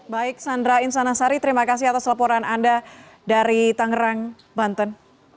baik sandra insanasari terima kasih atas laporan anda dari tangerang banten